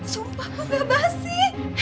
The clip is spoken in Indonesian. sumpah gue gak basi